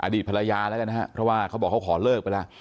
ภรรยาแล้วกันนะครับเพราะว่าเขาบอกเขาขอเลิกไปแล้ว